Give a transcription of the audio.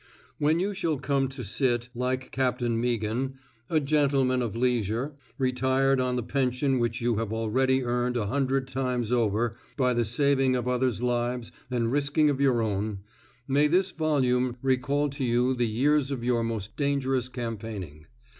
When you shaU come to sit, like Captain Meaghan, " a gentleman of leisure" —retired on the pension which you have already earned a hundred times over by the saving of others* lives and the risking of your own, — may this volume recaU to you the years of your most dangerous campaigning.